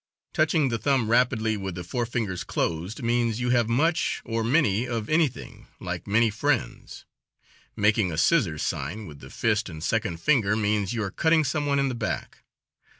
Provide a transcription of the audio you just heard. Touching the thumb rapidly with the four fingers closed means you have much or many of anything, like many friends. Making a scissors sign with the fist and second finger means you are cutting some one in the back.